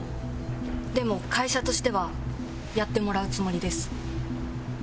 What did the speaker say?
でも会社としてはやってもらうつもりです。